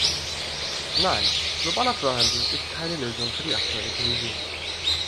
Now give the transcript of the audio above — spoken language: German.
Nein, globaler Freihandel ist keine Lösung für die aktuelle Krise.